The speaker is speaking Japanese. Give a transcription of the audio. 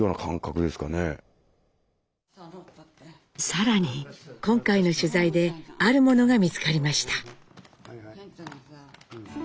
更に今回の取材であるものが見つかりました。